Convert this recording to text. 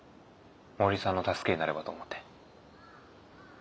森さんの助けになればと思って。